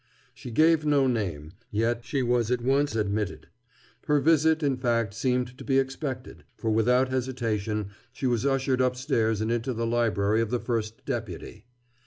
She gave no name; yet she was at once admitted. Her visit, in fact, seemed to be expected, for without hesitation she was ushered upstairs and into the library of the First Deputy.